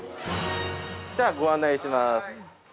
◆じゃあ、ご案内します。